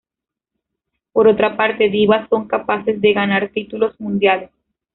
Por otra parte, divas son capaces de ganar títulos mundiales.